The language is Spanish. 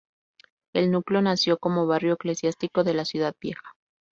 El núcleo nació como barrio eclesiástico de la ciudad vieja.